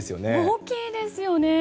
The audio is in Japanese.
大きいですよね！